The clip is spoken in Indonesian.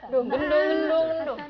dung dung dung dung